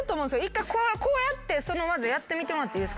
１回こうやってその技やってみてもらっていい？